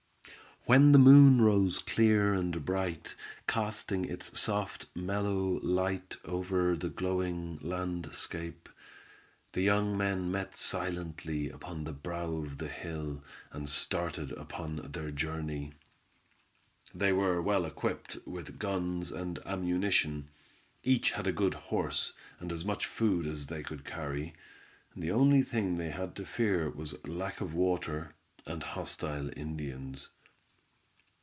When the moon rose clear and bright, casting its soft, mellow light over the glowing landscape, the young men met silently upon the brow of the hill, and started upon their journey. They were well equipped with guns and ammunition. Each had a good horse, and as much food as they could carry; the only thing they had to fear was lack of water and hostile Indians.